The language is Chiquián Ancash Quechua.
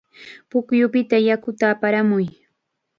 Pukyupita yakuta aparamuy.